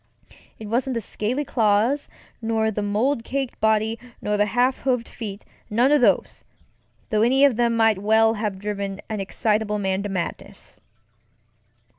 It wasn't the scaly claws nor the mold caked body nor the half hooved feetŌĆönone of these, though any one of them might well have driven an excitable man to madness.